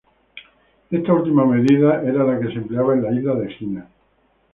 Esta última medida era la que se empleaba en la isla de Egina.